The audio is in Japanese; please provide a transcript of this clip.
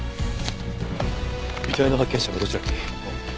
遺体の発見者はどちらに？